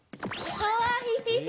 かわいい！